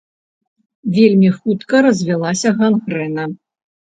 Вельмі хутка развілася гангрэна.